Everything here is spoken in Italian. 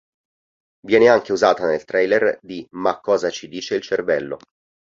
Viene anche usata nel trailer di "Ma cosa ci dice il cervello".